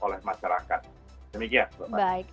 terima kasih pak